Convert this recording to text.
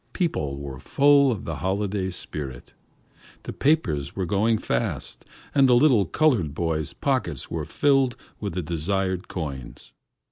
People were full of the holiday spirit. The papers were going fast, and the little colored boy's pockets were filling with the desired coins.